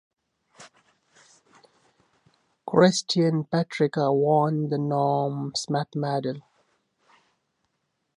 Christian Petracca won the Norm Smith Medal.